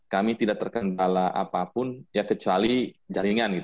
kami tidak terkendala apapun ya kecuali jaringan